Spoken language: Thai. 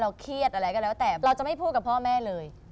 เครียดอะไรก็แล้วแต่เราจะไม่พูดกับพ่อแม่เลย